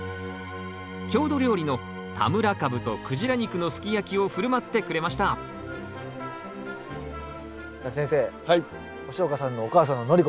郷土料理の田村かぶとクジラ肉のすき焼きを振る舞ってくれましたじゃあ先生押岡さんのお母さんの徳子さんが。